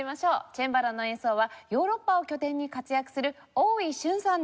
チェンバロの演奏はヨーロッパを拠点に活躍する大井駿さんです。